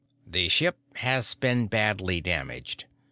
"The ship has been badly damaged.